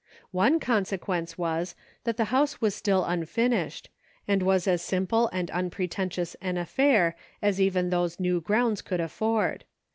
One consequence was, that the house was still unfinished, and was as simple and unpretentious an affair as even those new grounds could afford.